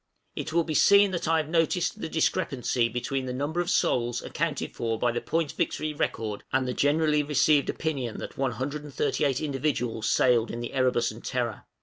It will be seen that I have noticed (page 260) the discrepancy between the number of souls accounted for by the Point Victory Record, and the generally received opinion that 138 individuals sailed in the 'Erebus' and 'Terror.'